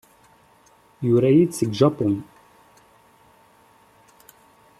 Yura-iyi-d seg Japun.